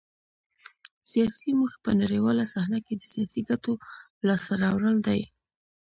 سیاسي موخې په نړیواله صحنه کې د سیاسي ګټو لاسته راوړل دي